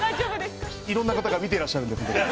いろんな方が見ていらっしゃるので。